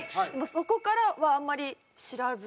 そこからはあんまり知らず。